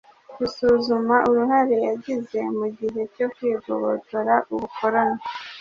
dusuzuma uruhare yagize mu gihe cyo kwigobotora ubukoloni.